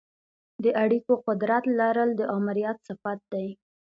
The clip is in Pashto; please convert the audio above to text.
د اړیکو قدرت لرل د آمریت صفت دی.